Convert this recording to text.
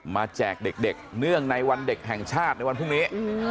แจกเด็กเนื่องในวันเด็กแห่งชาติในวันพรุ่งนี้